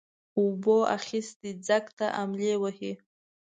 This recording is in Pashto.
اوبو اخيستى ځگ ته املې وهي.